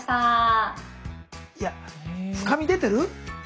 いや深み出てる？